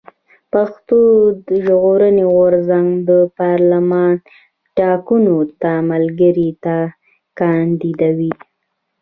پښتون ژغورني غورځنګ د پارلېمان ټاکنو ته ملګري نه کانديدوي.